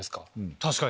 確かに。